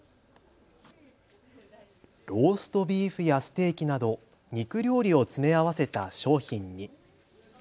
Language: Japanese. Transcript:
ローストビーフやステーキなど肉料理を詰め合わせた商品に。